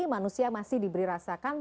manusia masih diberi rasakan